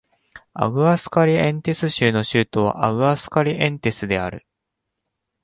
アグアスカリエンテス州の州都はアグアスカリエンテスである